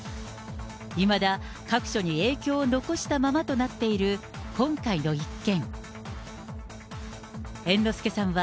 いまだ各所に影響を残したままとなっている今回の一件。